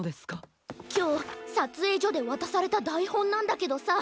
きょうさつえいじょでわたされただいほんなんだけどさ